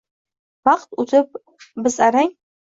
Vaqt o‘tib, biz arang